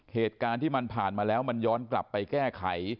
เหตุการณ์ที่มันผ่านมาแล้วมันย้อนกลับไปแก้ไข